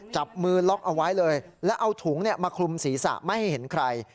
จับมือล็อกเอาไว้เลยแล้วเอาถุงมาคลุมศีรษะไม่ให้เห็นใคร